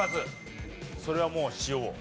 それはもう塩。